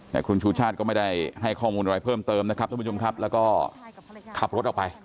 แต่คุณชูชาติก็ไม่ได้ให้ข้อมูลอะไรเพิ่มเติมนะครับท่านผู้ชมครับแล้วก็ขับรถออกไป